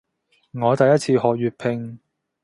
我第一次學粵拼